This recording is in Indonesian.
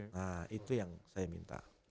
nah itu yang saya minta